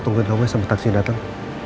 tungguin kamu ya sampe taksinya dateng